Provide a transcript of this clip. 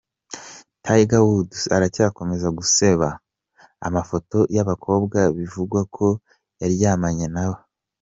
Tiger Woods aracyakomeza guseba: amafoto y'abakobwa bivugwa ko yaryamanye nabo!.